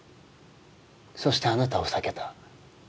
そしてあなたを避けた。